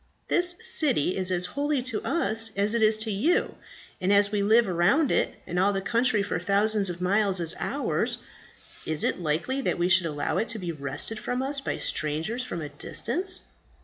This city is as holy to us as it is to you; and as we live around it, and all the country for thousands of miles is ours, is it likely that we should allow it to be wrested from us by strangers from a distance?"